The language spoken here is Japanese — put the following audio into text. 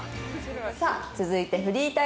「さあ続いてフリータイムです」